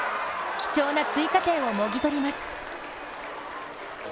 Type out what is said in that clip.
貴重な追加点をもぎ取ります。